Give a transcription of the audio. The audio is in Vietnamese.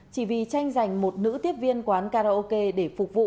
chỉ vì tranh giành một nữ tiếp viên quán karaoke để phục vụ